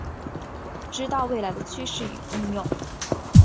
知道未来的趋势与应用